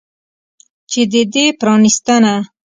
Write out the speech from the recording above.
چې د دې پرانستنه